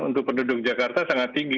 untuk penduduk jakarta sangat tinggi